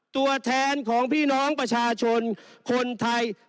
ตัวแทนของพี่น้องประชาชนคนไทย